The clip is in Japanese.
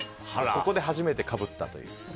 ここで初めてかぶったと。